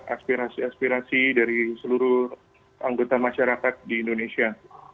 aspirasi aspirasi dari seluruh anggota masyarakat di indonesia